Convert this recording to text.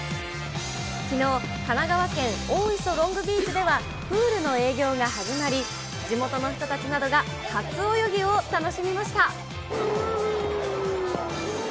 きのう、神奈川県大磯ロングビーチでは、プールの営業が始まり、地元の人たちなどが初泳ぎを楽しみました。